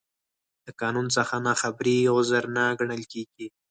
د قانون څخه نا خبري، عذر نه ګڼل کېږي.